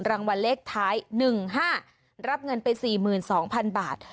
รางวัลเล็กท้ายหนึ่งห้ารับเงินไปสี่หมื่นสองพันบาท